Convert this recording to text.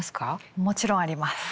もちろんあります。